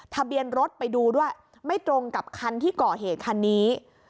ทะเบียนรถไปดูด้วยไม่ตรงกับคันที่ก่อเหตุคันนี้